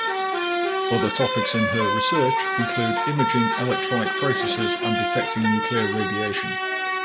Other topics in her research include imaging electronic processes and detecting nuclear radiation.